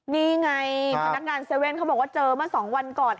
นี่ไงพนักงาน๗๑๑เขาบอกว่าเจอเมื่อ๒วันก่อน